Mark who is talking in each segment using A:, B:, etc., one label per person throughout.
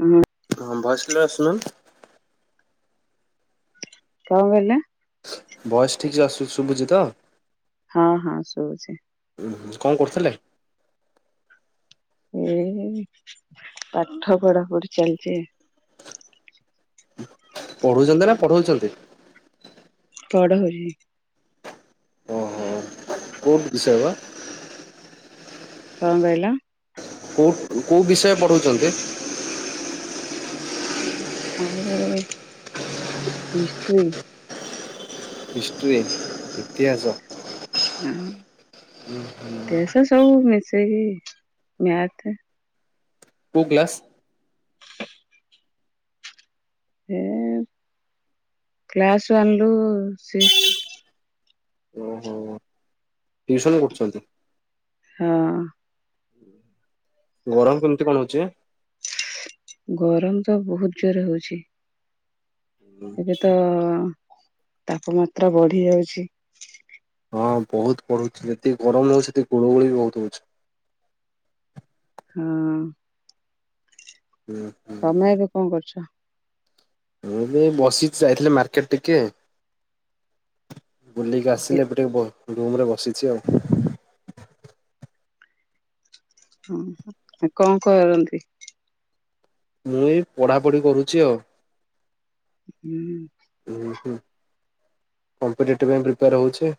A: ହଁ
B: ହଁ ଭୟସିଲ ରସନୁ
A: କଣ କହିଲେ?
B: ବୟସ ଠିକ ସେ ଆସୁ ଶୁଭୁଛି ତ
A: ହଁ ହଁ ଶୁଭୁଛି।
B: ଉ କଣ କରୁଥିଲେ?
A: ଏ ପାଠ ପଢାପଢି ଚାଲିଛି
B: ପଢଉଛନ୍ତି ନା ପଢଉଛନ୍ତି
A: ପଢ଼ଉଛି
B: କୋର୍ଟ ବିୟବ
A: କଣ ହକହିଲ?
B: କେଉଁ ବିଷୟ ପଢ଼ାଉଛନ୍ତି
A: ଆ ହିଷ୍ଟ୍ରି-
B: ହିଷ୍ଟ୍ରି ଇତିହାସ
A: ହଁ ତସ ସ ହବ ମି ସେଇ ମ୍ୟାଥ
B: କୋଉ କ୍ଲାସ
A: ଏ କ୍ଲାସ୍ ୱାନ ରୁ ସିକ୍ସ
B: ଓହୋ। ଟିଉସନ କରୁଛନ୍ତି।
A: ହଁ
B: ଗରମ କେମିତି କଣ ହଉଛି।
A: ଗରମ ତ ବହୁତ ଜୋର ହଉଛି।
B: ହୁଁ।
A: ଏବେ ତ ତାପମାତ୍ରା ବଢି ଯାଉଛି।
B: ହଁ ବହୁତ ପଡୁଛି ଯେତିକି ଗରମ ନହଉଚି ସେତିକି ଗୁଳୁଗୁଳି ବି ବହୁତ ହଉଛି।
A: ହଁ
B: ହୁଁ
A: ତମେ
B: ହୁଁ।
A: ଏବେ କଣ କରୁଛ?
B: ମୁଁ ବି ବସିିଚି ଯାଇଥିଲି ମାର୍କେଟ ଟିକେ ବୁଲିକି
A: କି
B: ଆସିଲେ ଏବେ ଟିକେ ବସିଚି ରୁମ ରେ ବସିଛି ଆଉ
A: ହଁ କଣ କରନ୍ତି?
B: ମୁଁ ଏଇ ପଢାପଢି କରୁଛି ଆଉ।
A: [inaudible]
B: କମ୍ପିଟେଟିଭ ପାଇଁ ପ୍ରିପାର ହଉଛି।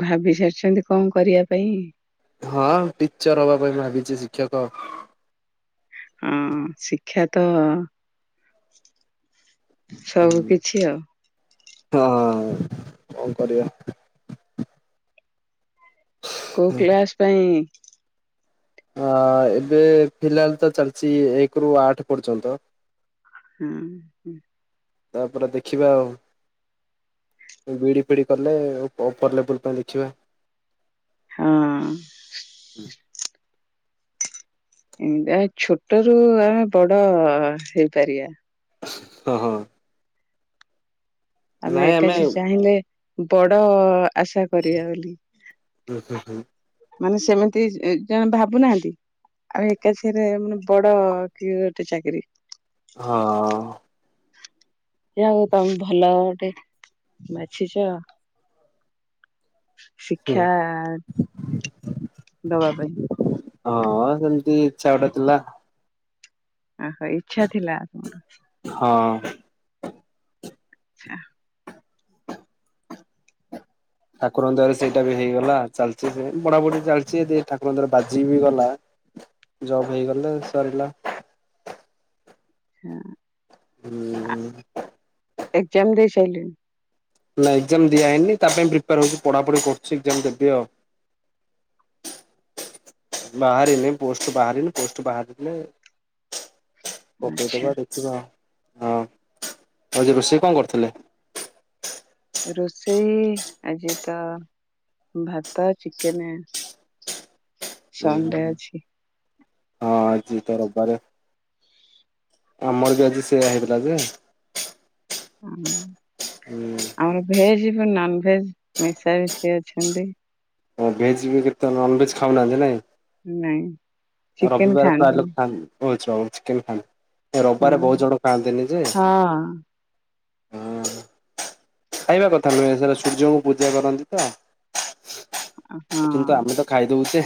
A: ଭାବି ସାରିଛନ୍ତି କଣ କରିବା ପାଇଁ
B: ହଁ ଟିଚର ହବା ପାଇଁ ଭାବିଚି ଶିକ୍ଷକ
A: ହଁ ଶିକ୍ଷା ତ ସବୁ କିିଛି ଆଉ।
B: ହଁ କଣ କରିବା।
A: କୋଉ କ୍ଲାସ ପାଇଁ।
B: ଅ ଏବେ ଫିଲାଲ ତ ଚାଲିଛି ଏକରୁୁ ଆଠ ପର୍ଯ୍ୟନ୍ତ।
A: ହୁଁ।
B: ତାପରେ ଦେଖିବା ଆଉ ବିଡି ଫିଡି କଲେ ଉପର ଲେବୁଲ ପାଇଁ ଦେଖିବା।
A: ହଁ ଛୋଟ ରୁ ଆମେ ବଡ ହେଇପାରିବା।
B: ହଁ।
A: ଆମେ ଏକାଠି ଚାହିଁଲେ। ବଡ ଆଶା କରିବା ବୋଲି।
B: [inaudible]
A: ମାନେ ସେମିତି ଜଣେ ଭାବୁନାହାନ୍ତି ଆଉ ଏକାଥୀରେ ମାନେ ବଡ କିଏ ଗୋଟେ ଚାକିରି।
B: ହଁ।
A: ଯାହା ହଉ ତମେ ଭଲ ଗୋଟେ ବାଛିଚ। ଶିକ୍ଷା। ଦବା ପାଇଁ।
B: ହଁ ସେମିତି ଇଛା ଗୋଟେ ଥିଲା।
A: ଓହୋ ଇଚ୍ଛା ଥିଲା।
B: [inaudible]
A: ଆଚ୍ଛା।
B: ଠାକୁରଙ୍କ ଦୟା ରୁ ସେଇଟା ବି ହେଇଗଲା ଚାଲିଛି ସେମିତି ପଢ଼ାପଢ଼ି ଚାଲିଚ ଯଦି ଠାକୁରଙ୍କ ଦୟା ରୁ ବାଜି ବି ଗଲା ଜବ୍ ହେଇଗଲେ ସରିଲା।
A: [inaudible]
B: ହୁଁ।
A: ଏକ୍ଜାମ ଦେଇ ସାରିଲେଣି।
B: ନା ଏକ୍ଜାମ ଦିଆ ହେଇନି ତା ପାଇଁ ପ୍ରିପେୟାରଙ୍କୁ ପଢ଼ାପଢ଼ି କରୁଛି ଏକ୍ଜାମ ଦେବି ଆଉ। ବାହାରି ନି ପୋଷ୍ଟ ବାହାରି ନି ପୋଷ୍ଟ ବାହାରିଲେ।
A: ଆଛା
B: ପକେଇଦବା ଦେଖିବା। ହଁ ଆଜି ରୋଷେଇ କଣ କରିଥିଲେ?
A: ରୋଷେଇ ଆଜି ତ ଭାତ ଚିକେନ ସଣ୍ଡେ ଅଛି।
B: ହଁ ଆଜି ତ ରବିବାରେ। ଆମର ବି ଆଜି ସେଇୟା ହେଇଥିଲା ଯେ।
A: ହଁ।
B: ହୁଁ।
A: ଆମେ ଭେଜ ନନଭେଜ ମିଶା ମିଶି ଅଛନ୍ତି।
B: ଆମେ ଭେଜ୍ ବି କେତେ ନନଭେଜ୍ ଖାଉନାହାନ୍ତି ନାଇଁ।
A: ନାଇଁ ଚିକେନ ଖାଆନ୍ତି ନି।
B: ଓଛ ଚିକେନ୍ ଖାଆନ୍ତି। ରବିବାର ବହୁତ ଜଣ ଖାଆନ୍ତି ନି ଯେ।
A: ହଁ
B: ହଁ। ଖାଇବା କଥା ନୁହେଁ ସେଟା ସୂର୍ଯ୍ୟଙ୍କୁ ପୂଜା କରନ୍ତି ତ। କିନ୍ତୁ ଆମେ ତ ଖାଇ ଦଉଛେ।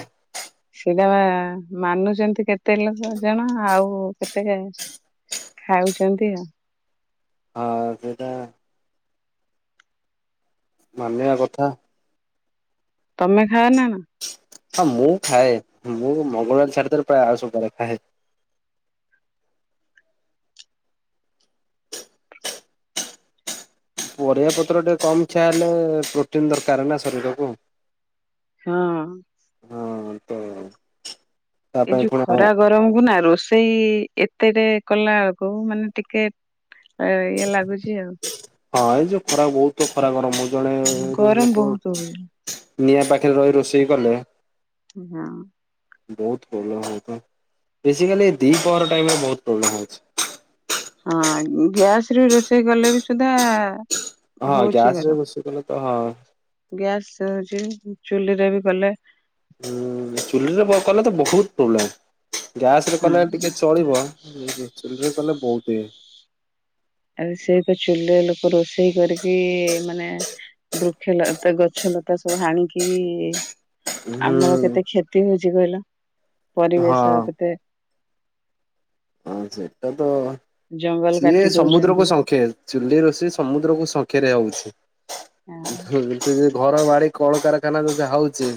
A: ସେଟା ବା ମାନୁଚନ୍ତି କେତେ ଲୋକ ଜଣ ଆଉ କେତେ ଖାଉଛନ୍ତି ଆଉ।
B: ହଁ ସେଇଟା ମାନିବା କଥା
A: ତମେ ଖାଅ ନା ନା
B: ହଁ ମୁଁ ଖାଏ ମୁଁ ମଙ୍ଗଳବାର ଛାଡ଼ି ଦେଲେ ପ୍ରାୟ ସପ୍ତାହରେ ଖାଏ ପରିବା ପତ୍ର ଟିକେ କମ୍ ଖିଆ ହେଲେ ପ୍ରୋଟିନ ଦରକାର ନା ଶରୀରକୁ
A: ହଁ
B: ହୁଁ [inaudible]
A: ଏଇ ଯୋଉ ଖରା ଗରମ କୁ ନା ରୋଷେ ସେଇ ଏତେଟେ କଲା କୋଉ ମାନେ ଟିକେ ଏ ଇଏ ଲାଗୁଛି ଆଉ
B: ହଁ ଏଇ ଯୋଉ ଖରା ବୋହୁତ ଖରା ଗରମ ଜଣେ
A: ଗରମ
B: ଲୋକ
A: ବହୁତ ହଉଛି।
B: ନିଆଁ ପାଖରେ ରହି ରୋଷେଇ କଲେ
A: ହଁ
B: ବୋହୁତ ପ୍ରୋବ୍ଲେମ ହୋଉଚି, ବେଶିକଲି ଦ୍ୱିପହର ଟାଇମରେ ପ୍ରୋବ୍ଲେମ ହୋଉଚି।
A: ହଁ ଗ୍ୟାସରେ ରୋଷେଇ କଲେ ବି ସୁଧା
B: ହଁ
A: ହଉଛି ଗରମ।
B: ଗ୍ୟାସରେ ରୋଷେଇ କଲେ ହଁ
A: ଗ୍ୟାସ ହୋଉଚି ଚୁଲିରେ ବି କଲେ
B: ହୁଁ ଚୁଲିରେ କଲେ ତ ବୋହୁତ ପ୍ରୋବ୍ଲେମ୍ ଗ୍ୟାସରେ
A: ହଁ।
B: କଲେ ଟିକେ ଚଳିବ ଚୁଲିରେ କଲେ। ବହୁତେ [inaudible]
A: ଆରେ ସେଇ ତ ଚୁଲିରେ ଲୋକ ରୋଷେଇ କରି, କି ମାନେ ବୃକ୍ଷଲତା ଗଛଲତା ସବୁ ହାଣି କି ଆମର କେତେ
B: ହୁଁ
A: କ୍ଷତି ହୋଉଚି। [unintelligible] କହିଲ
B: ହଁ
A: ପରିବେଶ କେତେ
B: ହଁ ସେଇଟା ତ
A: ଜଙ୍ଗଲ
B: ସିଏ
A: କାଟି
B: ସମୁଦ୍ର
A: ଦଉଛନ୍ତି।
B: କୁ ସଂଖ୍ୟ ଚୁଲି ରୋଷେଇ ସମୁଦ୍ର କୁ ସଂଖେ ରେ ହୋଉଚି। ଘର ବାରିକ କଳକାରଖାନା ଯଦି ହଉଛି।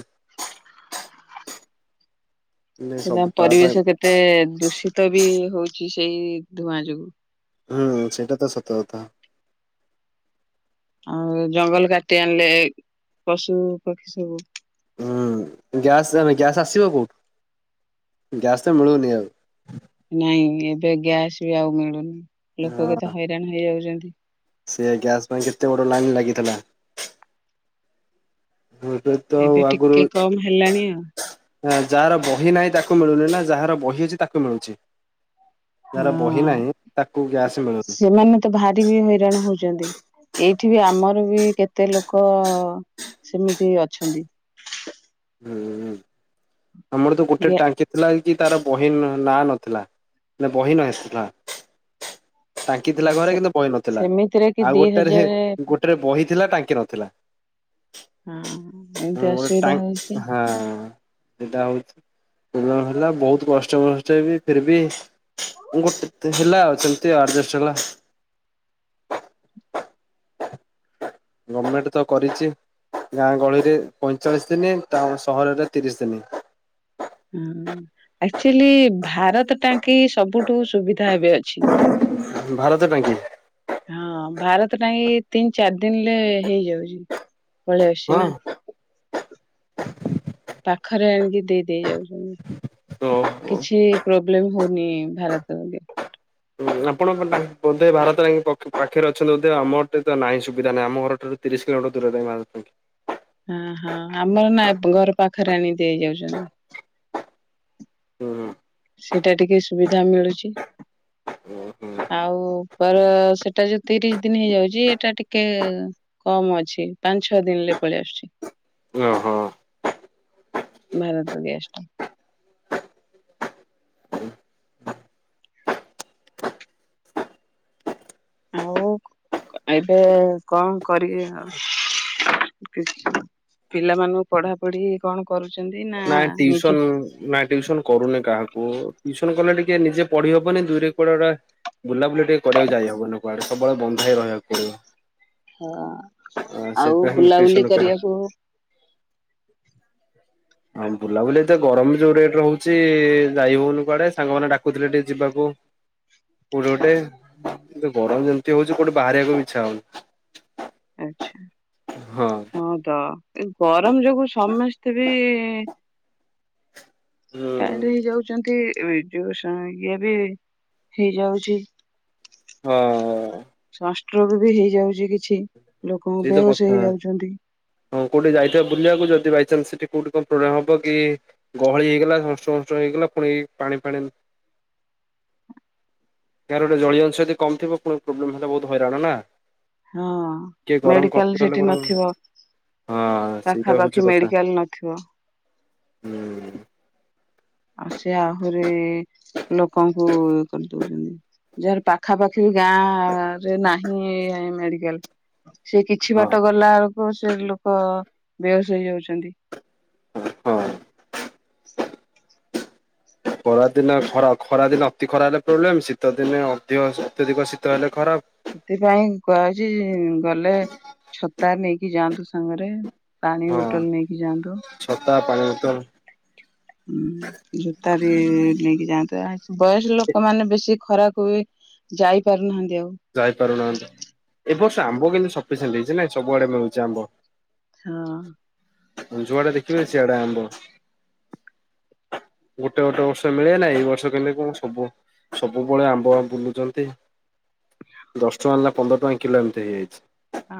B: ନାଇଁ
A: ସେ ଯା
B: ସବୁ ତା ପାଇଁ
A: ପରିବେଶ କେତେ ଦୂଷିତ ୀତ ବି ହଉଛି ସେଇ ଧୂଆଁ ଯୋଗୁ
B: ହୁଁ ସେଇଟା ତ ସତ କଥା
A: ଆଉ ଜଙ୍ଗଲ କାଟି ଆଣିଲେ ପଶୁ ପକ୍ଷୀ ସବୁ
B: ହୁଁ ଗ୍ୟାସ୍ ଗ୍ୟାସ୍ ଆସିବ କୋଉ ଗ୍ୟାସ ତ ମିଳୁନି ଆଉ।
A: ନାଇଁ ଏବେ ଗ୍ୟାସ ବି ଆଉ ମିଳୁନି ଲୋକ କେ
B: ହଁ
A: ତେ ହଇରାଣ ହେଇଯାଉଛନ୍ତି। [inaudible]
B: ସେ ଗ୍ୟାସ ପାଇଁ କେତେ ବଡ ଲାଇନ୍ ଲାଗିଥିଲା। ଏବେ ତ
A: ଏବେ
B: ଆଗରୁ
A: ଟିକେ କମ ହେଲାଣି ଆଉ।
B: ଯାହାର ବହି ନାହିଁ ତାକୁ ମିଳୁନି ନା ଯାହାର ବହି ଅଛି ତାକୁ ମିଳୁଛି। ଯାହାର
A: ହଁ
B: ବହି ନାହିଁ ତାକୁ ଗ୍ୟାସ୍ ମିଳୁନି
A: ସେମାନେ ତ ଭାରି ବି ହଇରାଣ ହଉଛନ୍ତି। ଏଇଠି ବି ଆମର ବି କେତେ ଲୋକ ସେମିତି ଅଛନ୍ତି।
B: ହୁଁ ହୁଁ। ଆମର ତ ଗୋଟେ
A: ଯେ
B: ଟାଙ୍କି ଥିଲା। କି ତାର ବହିନ ନାଁ ନଥିଲା ନା ବହିନ ନଥିଲା। ଟାଙ୍କି ଥିଲା ଘରେ
A: ସେ
B: କିନ୍ତୁ ବହି ନଥିଲା
A: ସେମିତିରେ କି
B: ଆଉ
A: ଦି
B: ଗୋଟେ
A: ହଜାର ହଁ
B: ଗୋଟେରେ ବହି ଥିଲା ଟାଙ୍କି ନଥିଲା
A: ଏମିତି
B: ଗୋଟ
A: ଅସୁବିଧା ହଉଛି
B: ହଁ ସେଟା ହଉଛି ବହୁତ କଷ୍ଟମଷ୍ଟ ଫେର ବି ଗୋଟେ ହେଲା। ଆଜଷ୍ଟ ହେଲା। ଗଭର୍ଣମେଣ୍ଟ ତ କରିଛି ଗାଁ ଗହଳିରେ ପଇଁଚାଳିଶ ଦିନ ସହରରେ ତିରିଶ ଦିନ।
A: ହଁ ଆଚୁଆଲି ଭାରତ ଟାଙ୍କି ସବୁଠୁ ସୁବିଧା ଏବେ ଅଛି
B: ଭାରତ ଟାଙ୍କି
A: ହଁ ଭାରତ ଟ ତିନି ଚାରି ଦିନରେ ହେଇଯାଉଛ। ପଳିଆ ଅଛି
B: ହଁ
A: ନା। ପାଖରେ ଆଣିକି ଦେଇ ଦେଇେଇ ଯାଉଛନ୍ତି।
B: ଓହୋ।
A: କିଛି। ହେଲେ ହଉନି ଭାରତ।
B: ହ ଆପଣ ବୋଧେ ଭାରତ ପାଖରେ ଅଛନ୍ତି ବୋଧେ ଆମରେ ତ ନାହିଁ ସୁବିଧା ନାହିଁ ଆମ ଘର ଠାରୁ ତିରିଶ କିଲୋମିଟର ଦୂରରେ ଭାରଙ୍କ।
A: ହ ହଁ ଆମର ନା ଘର ପାଖରେ ଆଣି ହେଇଯାଉଛନ୍ତି।
B: ହୁଁ
A: ସେଟା ଟିକେ ସୁବିଧା ମିଳୁଛି
B: ହୁଁ
A: ଆଉ ପର ସେଟା ଯୋଉ ତିରିଶ ଦିନ ହେଇଯାଉଛି ଏଟା ଟିକେ କମ ଅଛି ପାଞ୍ଚ ଛଅ ଦିନରେ ପଳେଇ ଆସୁଛି।
B: ଓହୋ।
A: ଭାରତ ଗ୍ୟସ ଟା। ଆଉ ଏବେ କଣ କର ପିଲାମାନଙ୍କୁ ପଢାପଢି କଣ କରୁଛି
B: ନାଇଁ ଟ୍ୟୁସନ୍ ନାଇଁ ଟ୍ୟୁଶନ କରୁନି କାହାକୁ। ଓ ଟଟିୁସନ କଲେ ଟିକେ ନିଜେ ପଢି ହବନି ଦୁଇରେ କୁଆଡେ ଗୁଡା। ବୁଲାବୁଲି ଟିକେ କରିବାକୁ ଯାଇ ହବନି କୁଆଡେ। ସବୁବେଳେ ବନ୍ଧା ହେଇ ରହିବାକୁ ପଡ଼ିବ।
A: ହଁ ଆଉ
B: ମୁଁ
A: ବୁଲାବୁଲି
B: ଟିଉସନ କରେ।
A: କରିବାକୁ।
B: ହଁ ବୁଲାବୁଲି ଏ ତ ଗରମ ଯୋଉ ରେଟ ରହୁଛି ଯାଇ ହଉନି କୁଆଡେ ସାଙ୍ଗମାନେ ଡାକୁଥିଲେ ଟିକେ ଯିବାକୁ କୋଉଠି ଗୋଟେ କି ଗରମ ଯେମିତି ହଉଛି କୋଉଠି ବାହାରିବାକୁ ଇ୍ଛା ହଉନି।
A: ଆଛା ହଁ ତ ଗରମ ଯୋଗୁ ସମସ୍ତେ ବି କାଇଁ
B: ହୁଁ
A: ହେଇ ଯାଉଛ ଯ ଇ ବି ହେଇଯାଉଛି
B: ହଁ
A: ସଂଷ୍ଟ୍ରୋଗ ବି ହେଇଯାଉଛି କିଛି। ଲୋକଙ୍କୁ
B: ସେଇତ
A: ବେହୋସ
B: କଥା
A: ହେଇଯାଉଛନ୍ତି
B: ହଁ କୋଉଠି ଯାଇଥିବା ବୁଲିବାକୁ ଯଦି। ବାଇଚନ୍ସ ସେଠି କୋଉଠି କଣ ପ୍ରୋବ୍ଲେମ ହବ କି ଗହଳି ହେଇଗଲା ସଂସ୍ଟ୍ରୋଗ ହେଇଗଲା ପୁଣି ପାଣି ଫାଣି କାହାର ଗୋଟେ ଜ ଅଂଶ ଯଦ କ ଥିବ ପ୍ରୋବ୍ଲେମ ହେଲା ବହୁତ ହଇରାଣ ନା।
A: ହଁ
B: ଟିକେ ଗରମ କମି
A: ମେଡିକାଲ
B: ଗଲେ
A: ସେଠି
B: ବରଂ
A: ନଥିବ
B: ହଁ ସେଇଟା ହଉଛି
A: ପାଖାପାଖି
B: କଥା
A: ମେଡିକାଲ ନଥିବ।
B: ହୁଁ
A: ଆଉ ସେ ଆହୁରି ଲୋକଙ୍କୁ ଇଏ କରିଦଉଛନ୍ତି ଯାହାର ପାଖାପାଖି ଗାଁରେ ନାହିଁ ମେଡିକାଲ। ସେ କିଛି
B: ହଁ
A: ବାଟ ଗଲା ବେଳକୁ। ଲୋକ ବେହସ୍ ହେଇଯାଉଛନ୍ତି।
B: ହଁ ଖରାଦିନ ଖରା ଖରାଦିନେ ଅତି ଖରା ହେଲେ ପ୍ରୋବ୍ଲେମ ଶୀତ ଦିନେ ଅଧିକ ଅତ୍ୟଧିକ ଶୀତ ହେଲେ ଖରାପ
A: ସେଥିପାଇଁ କୁହାଛି ଗଲେ ଛତା ନେଇକି ଯାଆନ୍ତୁ ସାଙ୍ଗରେ ପାଣୀ
B: ହଁ
A: ହୋଟେଲ ନେଇକି ଯାଆନ୍ତୁ।
B: ଛତା ପାଣି ବୋତଲ
A: ହୁଁ ଜୋତା ବି ନେଇକି ଯାଆନ୍ତ। ବୟସ ଲୋକ ମାନେ ବେଶୀ ଖରାକ ହୁଏ ଯାଇପାରୁନାହାନ୍ତି।
B: ଯାଇପାରୁନାହାନ୍ତି ଏ ବର୍ଷ ଆମ୍ବ କିନ୍ତୁ ସଫିସିଣ୍ଟ ହେଇଛି ନାଇଁ ସବୁଆଡେ ମିଳୁଛି ଆମ୍ବ ଯୁଆ ଟା ଦେଖିବେ ସେଆଡା ଆମ୍ଭ ଗୋଟେ ଗୋଟେ ବର୍ଷ ମିଳେ ନାହିଁ ଏଇ ବର୍ଷ କେମତି କଣ ସବୁ ସବୁବେଳେ ଆମ୍ବ ବୁଲୁଛନ୍ତି। ଦଶଷ୍ଟ ମଲଲା ପନ୍ଦର ଟଙ୍କା କିଲୋ ଏମିତି ହେଇଯାଇଛି।
A: ହଁ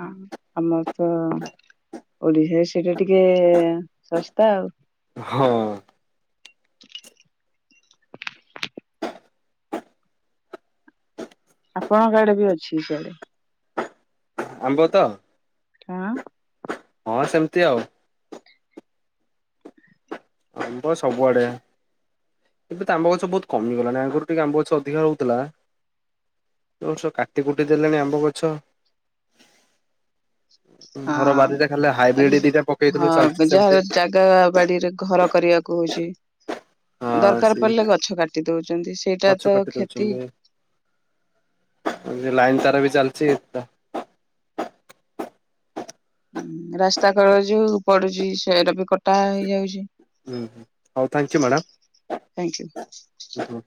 A: ଆମ ତ ଓଡିଶାରେ ସେଇଟା ଟିକେ ଶସ୍ତା ଆଉ
B: ହଁ
A: [inaudible] ଆପଣଙ୍କଆଡେ ବି ଅଛି ସଆଡେ
B: ଆମ୍ବ ତ
A: ହଁ
B: ହଁ ସେମିତି ଆଉ ଆମ୍ବ ସବୁଆଡେ ଏବେ ତ ଆମ୍ବ ଗଛ ବହୁତ କମିଗଲାଣି ଆଗରୁ ଟିକେ ଆମ୍ବ ଗଛ ଅଧିକା ହଉଥିଲା ଯୋ କାଟି କୁଟି ଦେଲେଣି ଆମ୍ବ ଗଛ ଘର
A: ହଁ
B: ବାରିରେ ଖାଲି
A: ଆ
B: ହାଇବ୍ରିଡ ଦିଟା ପକେଇଥିଲୁ ଚାଲିଛି
A: ହଁ
B: ସେମିତି
A: ଯାହାର ଜାଗା ବାଡିରେ ଘର କରିବାକୁ ହଉଛି।
B: ହଁ
A: ଦରକାର
B: ସେ
A: ପଡ଼ିଲେ ଗଛ କାଟି ଦଉଛନ୍ତି। ସେଇଟା ତ
B: ଗଛ କାଟି
A: କ୍ଷତି
B: ଦଉଛନ୍ତି ଲାଇନ ତାର ବି ଜାଲଛିତା
A: ରାସ୍ତା କ ଯ ପଡୁଛି ସେଟ ବି କଟା ହେଇଯାଉଛି।
B: ହଁ ହଁ ହଉ ଥ୍ୟାଙ୍କୟୁ
A: ଥ୍ୟାଙ୍କ ୟୁ
B: ମ୍ୟାଡ଼ାମ